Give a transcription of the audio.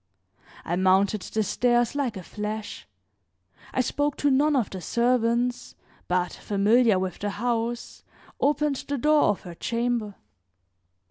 I mounted the stairs like a flash; I spoke to none of the servants, but, familiar with the house, opened the door of her chamber.